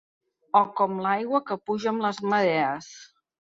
O com l’aigua que puja amb les marees.